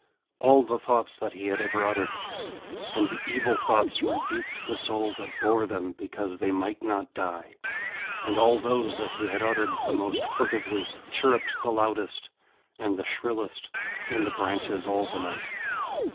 All the thoughts that he had ever uttered! And the evil thoughts rebuked the soul that bore them because they might not die. And all those that he had uttered the most furtively, chirrupped the loudest and the shrillest in the branches all the night.